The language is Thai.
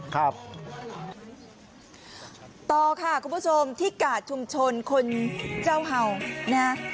ต่อค่ะคุณผู้ชมที่กาดชุมชนคนเจ้าเห่านะฮะ